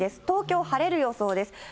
東京、晴れる予想です。